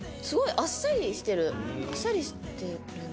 あっさりしてるね。